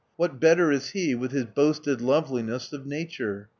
What better is he with his boasted loveliness of Nature?